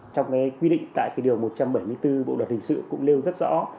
trong quy định tại điều một trăm bảy mươi bốn bộ đoàn hình sự cũng lêu rất rõ